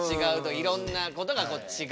いろんなことがちがう。